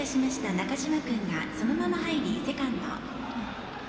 中嶋君がそのまま入り、セカンド。